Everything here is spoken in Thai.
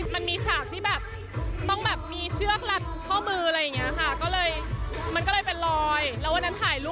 แต่จริงมันมาจากการทำงาน